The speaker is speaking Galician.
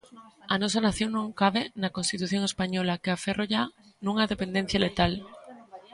A nosa nación non cabe na Constitución española que a aferrolla nunha dependencia letal.